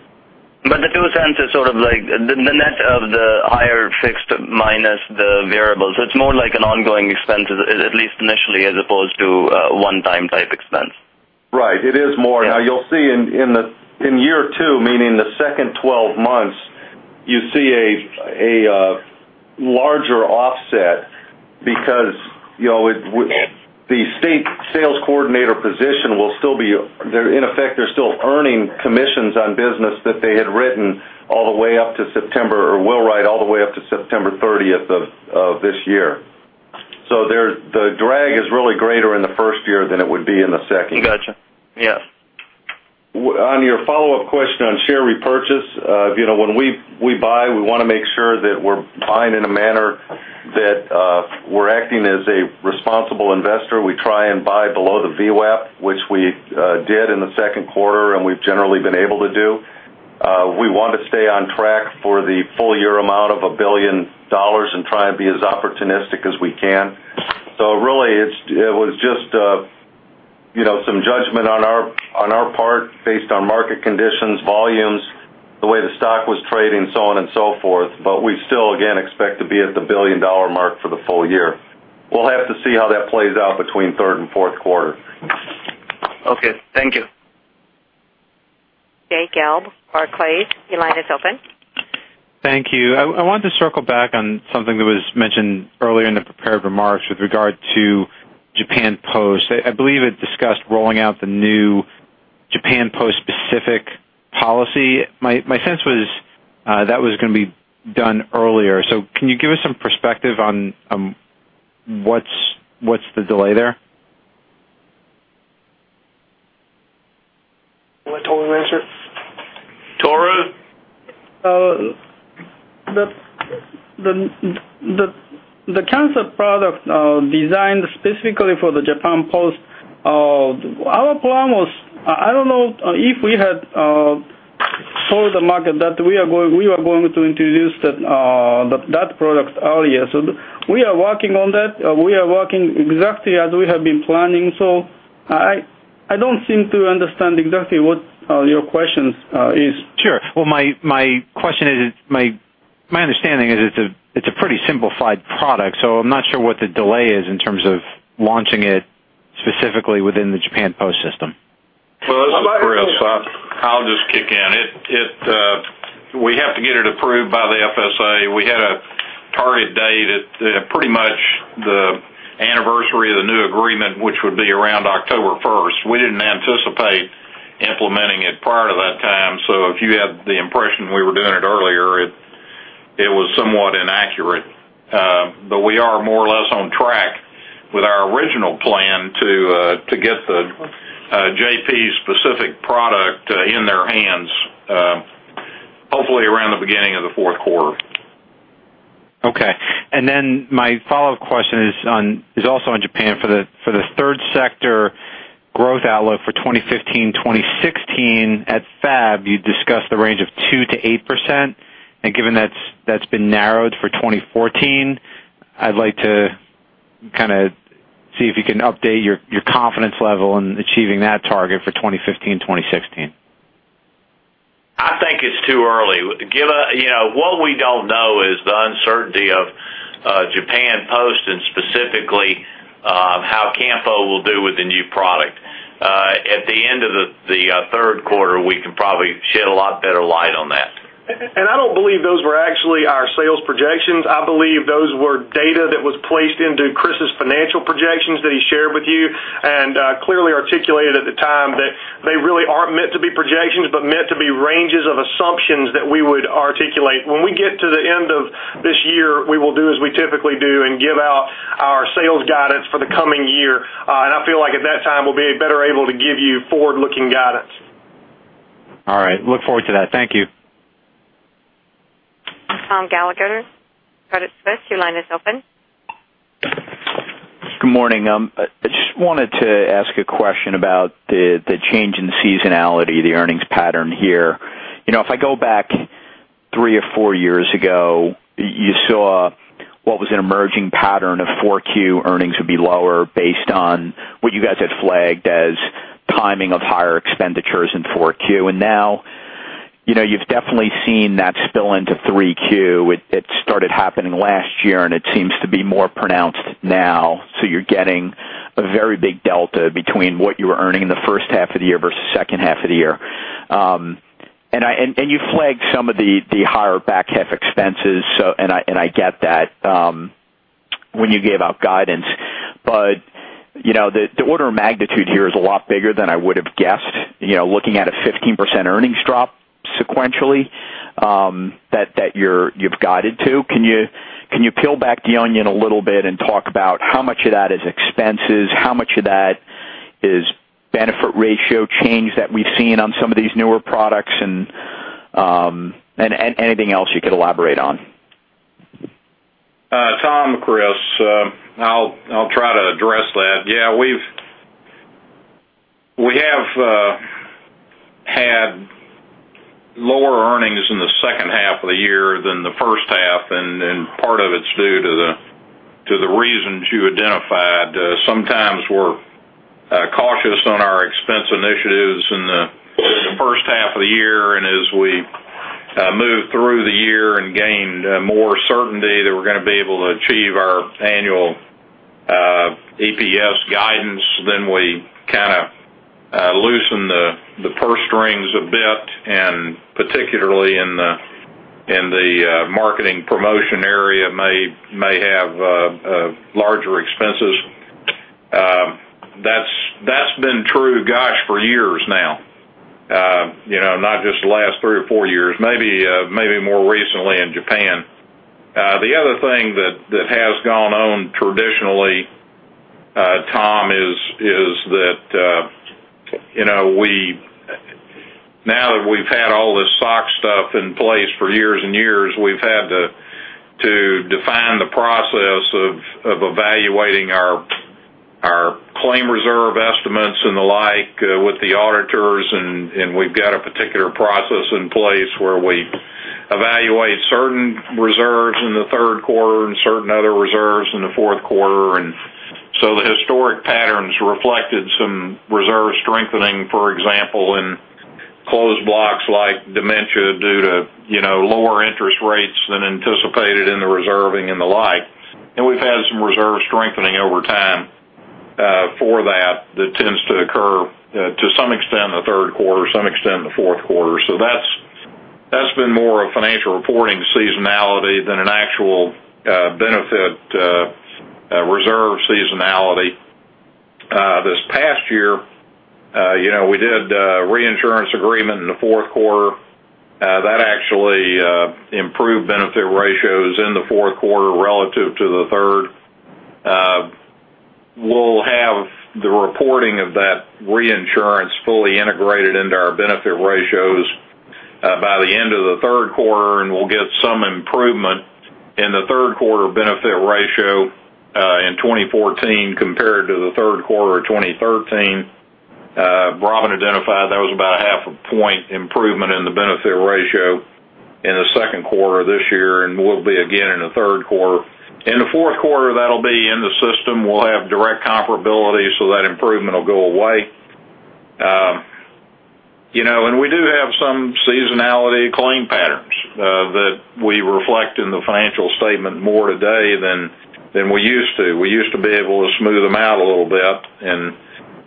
The $0.02 is sort of like the net of the higher fixed minus the variable. It's more like an ongoing expense, at least initially, as opposed to a one-time type expense. Right. It is more. You'll see in year two, meaning the second 12 months, you see a larger offset because the District Sales Coordinator position will still be, in effect, they're still earning commissions on business that they had written all the way up to September or will write all the way up to September 30th of this year. The drag is really greater in the first year than it would be in the second year. Got you. Yes. On your follow-up question on share repurchase, when we buy, we want to make sure that we're buying in a manner that we're acting as a responsible investor. We try and buy below the VWAP, which we did in the second quarter, and we've generally been able to do. We want to stay on track for the full year amount of $1 billion and try and be as opportunistic as we can. Really, it was just some judgment on our part based on market conditions, volumes, the way the stock was trading, so on and so forth. We still, again, expect to be at the billion-dollar mark for the full year. We'll have to see how that plays out between third and fourth quarter. Okay. Thank you. Jay Gelb, Barclays. Your line is open. Thank you. I want to circle back on something that was mentioned earlier in the prepared remarks with regard to Japan Post. I believe it discussed rolling out the new Japan Post specific policy. My sense was that was going to be done earlier. Can you give us some perspective on what's the delay there? You want Tohru to answer it? Tohru? The cancer product designed specifically for the Japan Post, our plan was, I don't know if we had told the market that we are going to introduce that product earlier. We are working on that. We are working exactly as we have been planning. I don't seem to understand exactly what your question is. Sure. Well, my understanding is it's a pretty simplified product, I'm not sure what the delay is in terms of launching it specifically within the Japan Post system. Well, this is Kriss. I'll just kick in. We have to get it approved by the FSA. We had a target date at pretty much the anniversary of the new agreement, which would be around October 1st. We didn't anticipate implementing it prior to that time, if you had the impression we were doing it earlier, it was somewhat inaccurate. We are more or less on track with our original plan to get the JP specific product in their hands, hopefully around the beginning of the fourth quarter. Okay. My follow-up question is also on Japan for the third sector growth outlook for 2015-2016. At FAB, you discussed the range of 2%-8%, given that's been narrowed for 2014, I'd like to see if you can update your confidence level in achieving that target for 2015-2016. I think it's too early. What we don't know is the uncertainty of Japan Post and specifically, how Kampo will do with the new product. At the end of the third quarter, we can probably shed a lot better light on that. I don't believe those were actually our sales projections. I believe those were data that was placed into Kriss's financial projections that he shared with you and clearly articulated at the time that they really aren't meant to be projections, but meant to be ranges of assumptions that we would articulate. When we get to the end of this year, we will do as we typically do and give out our sales guidance for the coming year. I feel like at that time, we'll be better able to give you forward-looking guidance. All right. Look forward to that. Thank you. Thomas Gallagher, Credit Suisse, your line is open. Good morning. I just wanted to ask a question about the change in seasonality, the earnings pattern here. If I go back three or four years ago, you saw what was an emerging pattern of four Q earnings would be lower based on what you guys had flagged as timing of higher expenditures in four Q. Now, you've definitely seen that spill into three Q. It started happening last year, and it seems to be more pronounced now. You're getting a very big delta between what you were earning in the first half of the year versus second half of the year. You flagged some of the higher back half expenses, and I get that, when you gave out guidance. The order of magnitude here is a lot bigger than I would have guessed, looking at a 15% earnings drop sequentially, that you've guided to. Can you peel back the onion a little bit and talk about how much of that is expenses, how much of that is benefit ratio change that we've seen on some of these newer products and anything else you could elaborate on? Tom, Kriss, I'll try to address that. Yeah, we have had lower earnings in the second half of the year than the first half. Part of it's due to the reasons you identified. Sometimes we're cautious on our expense initiatives in the first half of the year. As we move through the year and gain more certainty that we're going to be able to achieve our annual EPS guidance, we kind of loosen the purse strings a bit. Particularly in the marketing promotion area may have larger expenses. That's been true, gosh, for years now. Not just the last three or four years, maybe more recently in Japan. The other thing that has gone on traditionally, Tom, is that now that we've had all this SOX in place for years and years, we've had to define the process of evaluating our claim reserve estimates and the like with the auditors, and we've got a particular process in place where we evaluate certain reserves in the third quarter and certain other reserves in the fourth quarter. The historic patterns reflected some reserve strengthening, for example, in closed blocks like dementia due to lower interest rates than anticipated in the reserving and the like. We've had some reserve strengthening over time for that tends to occur to some extent in the third quarter, some extent in the fourth quarter. That's been more a financial reporting seasonality than an actual benefit reserve seasonality. This past year, we did a reinsurance agreement in the fourth quarter. That actually improved benefit ratios in the fourth quarter relative to the third. We'll have the reporting of that reinsurance fully integrated into our benefit ratios by the end of the third quarter, and we'll get some In the third quarter benefit ratio in 2014 compared to the third quarter of 2013, Robin identified that was about a half a point improvement in the benefit ratio in the second quarter this year and will be again in the third quarter. In the fourth quarter, that'll be in the system. We'll have direct comparability so that improvement will go away. We do have some seasonality claim patterns that we reflect in the financial statement more today than we used to. We used to be able to smooth them out a little bit,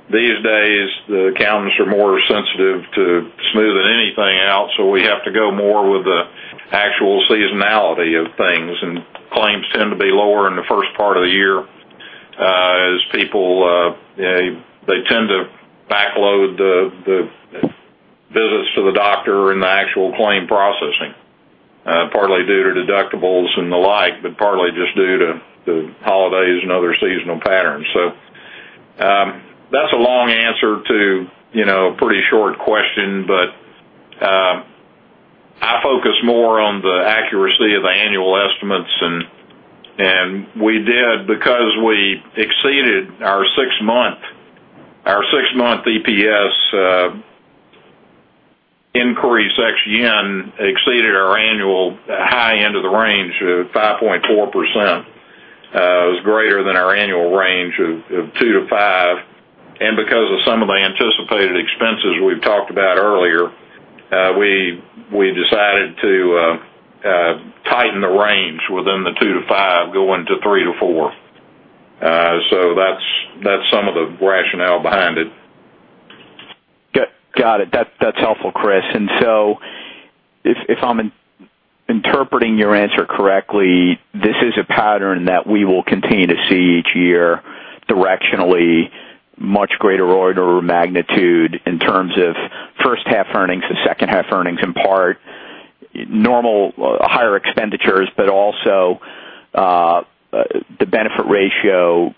these days the accountants are more sensitive to smoothing anything out, so we have to go more with the actual seasonality of things. Claims tend to be lower in the first part of the year as people, they tend to backload the visits to the doctor and the actual claim processing, partly due to deductibles and the like, but partly just due to the holidays and other seasonal patterns. That's a long answer to a pretty short question, but, I focus more on the accuracy of the annual estimates and we did because we exceeded our six-month EPS increase ex-yen exceeded our annual high end of the range of 5.4%. It was greater than our annual range of 2% to 5%. Because of some of the anticipated expenses we've talked about earlier, we decided to tighten the range within the 2% to 5% going to 3% to 4%. That's some of the rationale behind it. Got it. That's helpful, Kriss. If I'm interpreting your answer correctly, this is a pattern that we will continue to see each year directionally much greater order of magnitude in terms of first half earnings to second half earnings, in part normal higher expenditures, but also, the benefit ratio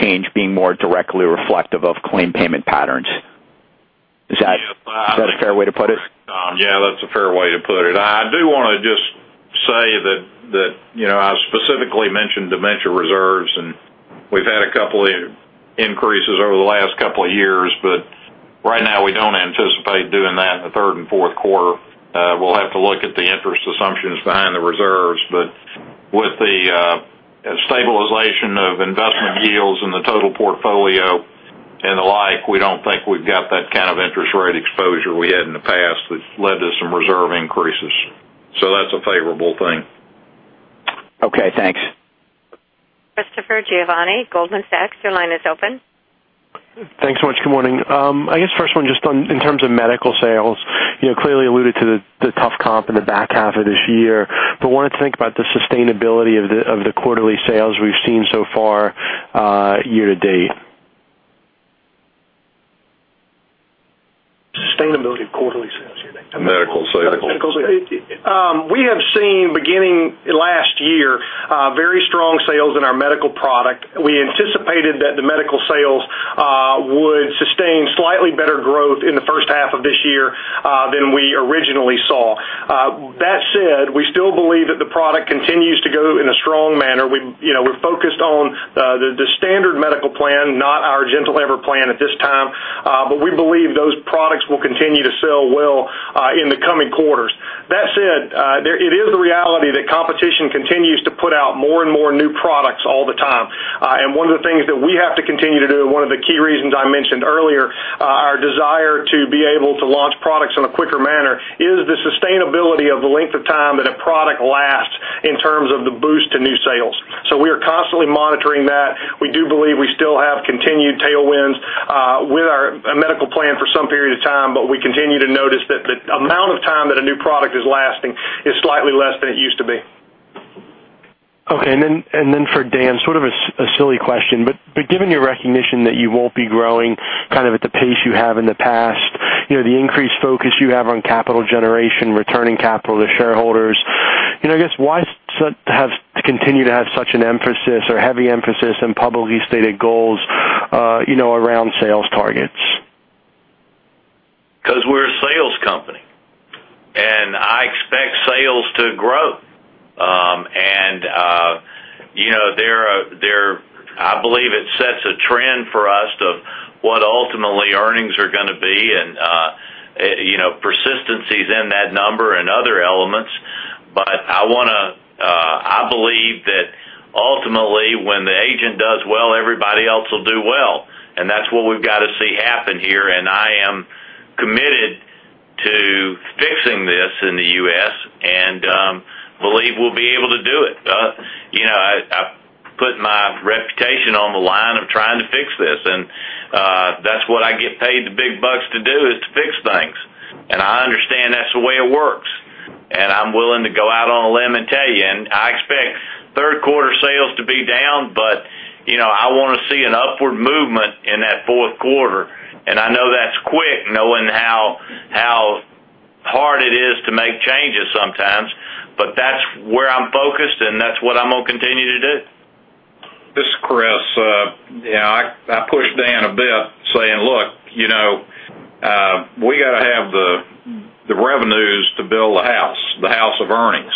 change being more directly reflective of claim payment patterns. Is that a fair way to put it? Yeah, that's a fair way to put it. I do want to just say that I specifically mentioned dementia reserves, and we've had a couple of increases over the last couple of years, but right now we don't anticipate doing that in the third and fourth quarter. We'll have to look at the interest assumptions behind the reserves, but with the stabilization of investment yields in the total portfolio and the like, we don't think we've got that kind of interest rate exposure we had in the past that's led to some reserve increases. That's a favorable thing. Okay, thanks. Christopher Giovanni, Goldman Sachs, your line is open. Thanks so much. Good morning. I guess first one just on in terms of medical sales, clearly alluded to the tough comp in the back half of this year. Wanted to think about the sustainability of the quarterly sales we've seen so far year to date. Sustainability of quarterly sales year to date. Medical sales. We have seen beginning last year very strong sales in our medical product. We anticipated that the medical sales would sustain slightly better growth in the first half of this year than we originally saw. That said, we still believe that the product continues to go in a strong manner. We're focused on the standard medical plan, not our Gentle EVER plan at this time. We believe those products will continue to sell well in the coming quarters. That said, it is the reality that competition continues to put out more and more new products all the time. One of the things that we have to continue to do, one of the key reasons I mentioned earlier, our desire to be able to launch products in a quicker manner is the sustainability of the length of time that a product lasts in terms of the boost to new sales. We are constantly monitoring that. We do believe we still have continued tailwinds with our medical plan for some period of time, but we continue to notice that the amount of time that a new product is lasting is slightly less than it used to be. Okay. For Dan, sort of a silly question, but given your recognition that you won't be growing at the pace you have in the past, the increased focus you have on capital generation, returning capital to shareholders, I guess why continue to have such an emphasis or heavy emphasis on publicly stated goals around sales targets? We're a sales company, and I expect sales to grow. I believe it sets a trend for us of what ultimately earnings are going to be, and persistency is in that number and other elements. I believe that ultimately, when the agent does well, everybody else will do well. That's what we've got to see happen here. I am committed to fixing this in the U.S. and believe we'll be able to do it. I've put my reputation on the line of trying to fix this, and that's what I get paid the big bucks to do, is to fix things. I understand that's the way it works. I'm willing to go out on a limb and tell you. I expect third quarter sales to be down, but I want to see an upward movement in that fourth quarter. I know that's quick, knowing how hard it is to make changes sometimes, but that's where I'm focused, and that's what I'm going to continue to do. This is Kriss. I pushed Dan a bit The revenues to build the house, the house of earnings.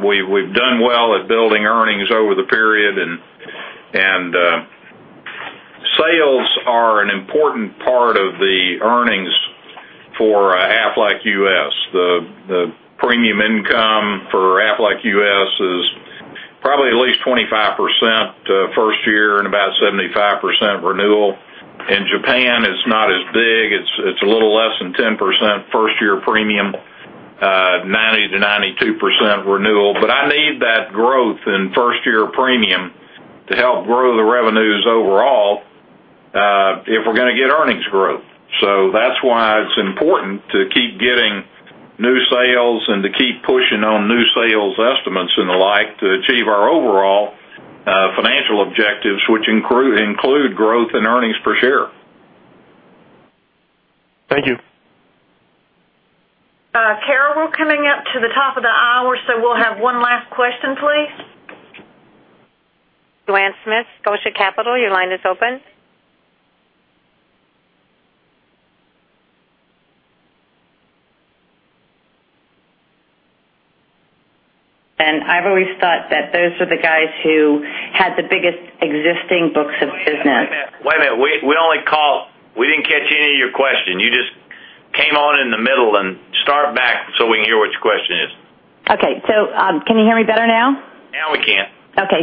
We've done well at building earnings over the period. Sales are an important part of the earnings for Aflac U.S. The premium income for Aflac U.S. is probably at least 25% first year and about 75% renewal. In Japan, it's not as big. It's a little less than 10% first-year premium, 90%-92% renewal. I need that growth in first-year premium to help grow the revenues overall if we're going to get earnings growth. That's why it's important to keep getting new sales and to keep pushing on new sales estimates and the like to achieve our overall financial objectives, which include growth in earnings per share. Thank you. Carol, we're coming up to the top of the hour, we'll have one last question, please. Joanne Smith, Scotia Capital, your line is open. I've always thought that those were the guys who had the biggest existing books of business. Wait a minute. We didn't catch any of your question. You just came on in the middle. Start back so we can hear what your question is. Okay. Can you hear me better now? Now we can. Okay.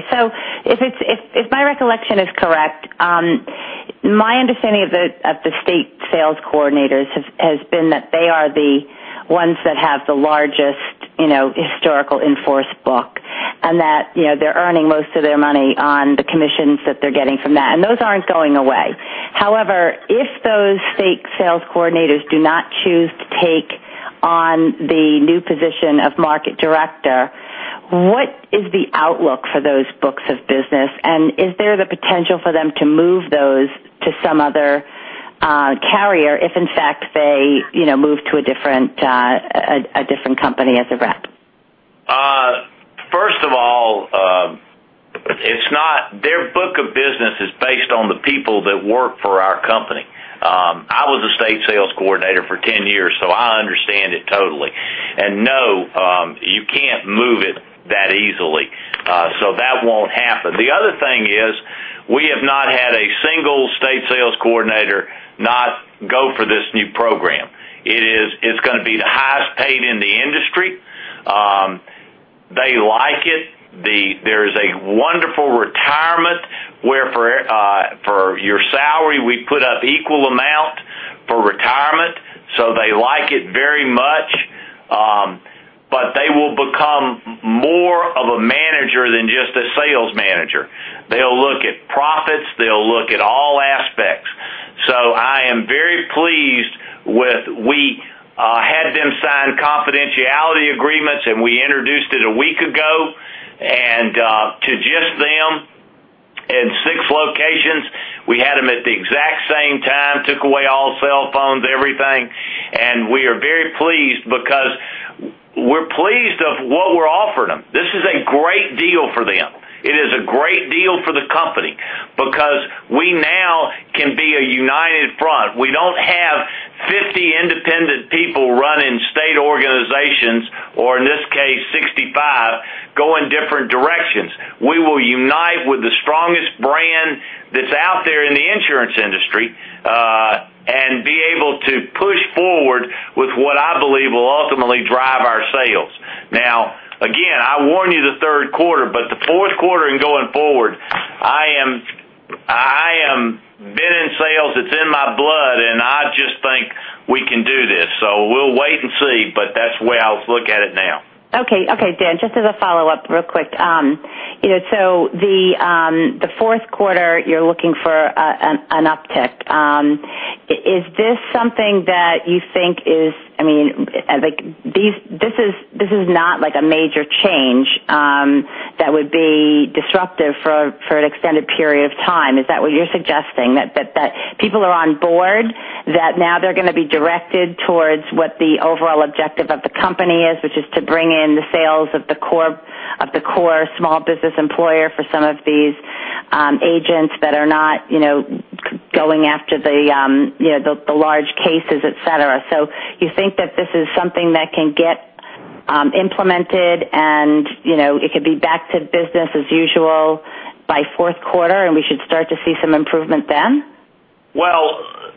If my recollection is correct, my understanding of the state sales coordinators has been that they are the ones that have the largest historical in-force book, and that they're earning most of their money on the commissions that they're getting from that, and those aren't going away. If those state sales coordinators do not choose to take on the new position of market director, what is the outlook for those books of business? Is there the potential for them to move those to some other carrier if, in fact, they move to a different company as a rep? First of all, their book of business is based on the people that work for our company. I was a state sales coordinator for 10 years, I understand it totally. No, you can't move it that easily. That won't happen. The other thing is, we have not had a single state sales coordinator not go for this new program. It's going to be the highest paid in the industry. They like it. There's a wonderful retirement where for your salary, we put up equal amount for retirement. They like it very much. They will become more of a manager than just a sales manager. They'll look at profits. They'll look at all aspects. I am very pleased with we had them sign confidentiality agreements, and we introduced it a week ago to just them in six locations. We had them at the exact same time, took away all cell phones, everything, we are very pleased because we're pleased of what we're offering them. This is a great deal for them. It is a great deal for the company because we now can be a united front. We don't have 50 independent people running state organizations, or in this case, 65, going different directions. We will unite with the strongest brand that's out there in the insurance industry, and be able to push forward with what I believe will ultimately drive our sales. Again, I warn you the third quarter, the fourth quarter and going forward, I am been in sales, it's in my blood, and I just think we can do this. We'll wait and see, but that's the way I look at it now. Okay. Dan, just as a follow-up real quick. The fourth quarter, you're looking for an uptick. Is this something that you think this is not a major change that would be disruptive for an extended period of time. Is that what you're suggesting? That people are on board, that now they're going to be directed towards what the overall objective of the company is, which is to bring in the sales of the core small business employer for some of these agents that are not going after the large cases, et cetera. You think that this is something that can get implemented, and it could be back to business as usual by fourth quarter, and we should start to see some improvement then?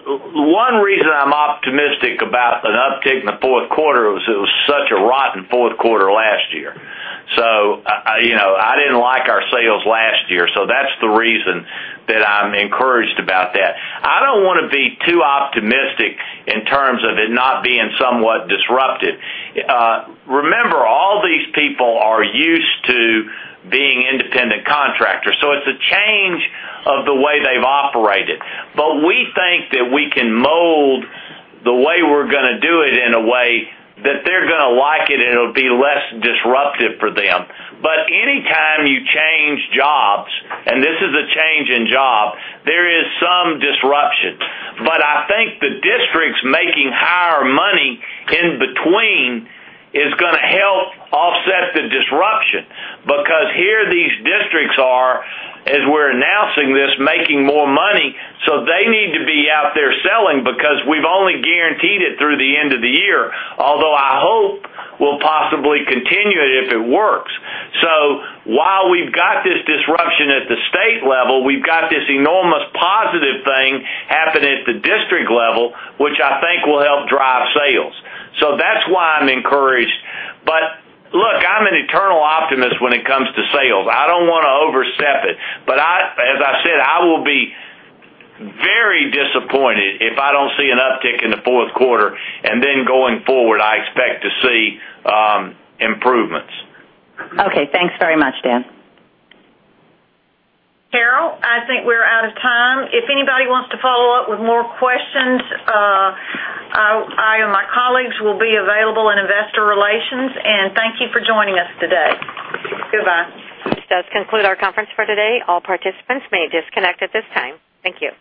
One reason I'm optimistic about an uptick in the fourth quarter was it was such a rotten fourth quarter last year. I didn't like our sales last year, that's the reason that I'm encouraged about that. I don't want to be too optimistic in terms of it not being somewhat disruptive. Remember, all these people are used to being independent contractors, it's a change of the way they've operated. We think that we can mold the way we're going to do it in a way that they're going to like it, and it'll be less disruptive for them. Anytime you change jobs, and this is a change in job, there is some disruption. I think the districts making higher money in between is going to help offset the disruption because here these districts are, as we're announcing this, making more money. They need to be out there selling because we've only guaranteed it through the end of the year. Although I hope we'll possibly continue it if it works. While we've got this disruption at the state level, we've got this enormous positive thing happening at the district level, which I think will help drive sales. That's why I'm encouraged, but look, I'm an eternal optimist when it comes to sales. I don't want to overstep it, but as I said, I will be very disappointed if I don't see an uptick in the fourth quarter, and then going forward, I expect to see improvements. Okay. Thanks very much, Dan. Carol, I think we're out of time. If anybody wants to follow up with more questions, I or my colleagues will be available in investor relations, and thank you for joining us today. Goodbye. This does conclude our conference for today. All participants may disconnect at this time. Thank you.